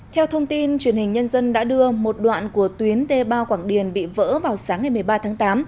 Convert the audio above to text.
theo thông tin truyền hình nhân dân đã đưa một đoạn của tuyến đê bao quảng điền bị vỡ vào sáng ngày một mươi ba tháng tám